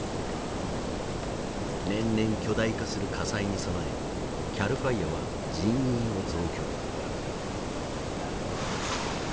年々巨大化する火災に備えＣＡＬＦＩＲＥは人員を増強。